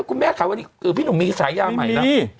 คุณแม่ขาวอันนี้เออพี่หนุ่มมีฉายาใหม่น่ะไม่มี